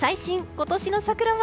今年の桜は？